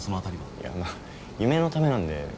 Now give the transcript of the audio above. いやまあ夢のためなんで。